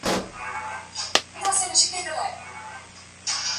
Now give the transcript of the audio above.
د افغانستان بهرنیو اړیکي په سمه توګه نه دي تنظیم سوې.